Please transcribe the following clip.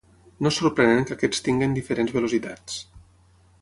No és sorprenent que aquests tinguin diferents velocitats.